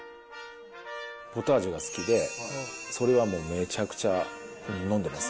ポタージュが好きで、それはもうめちゃくちゃ飲んでます。